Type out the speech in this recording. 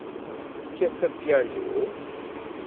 Tekkat apyanu?